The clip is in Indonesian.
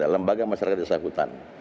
lembaga masyarakat desa hutan